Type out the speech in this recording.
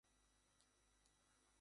এই বিয়ারটা আপনার পছন্দ হয় কি না!